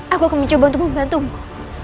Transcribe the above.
aku akan mencoba untuk membantumu